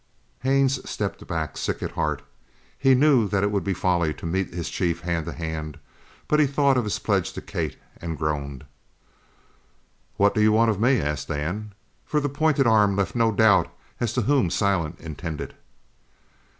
Haines stepped back, sick at heart. He knew that it would be folly to meet his chief hand to hand, but he thought of his pledge to Kate, and groaned. "What do you want of me?" asked Dan, for the pointed arm left no doubt as to whom Silent intended.